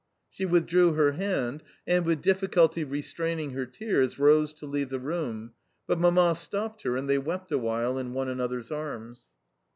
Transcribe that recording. She withdrew her hand and, with difficulty restraining her tears, rose to leave the room, but Mamma stopped her, and they wept a while in one another's arms.